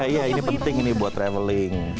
iya ini penting ini buat travelling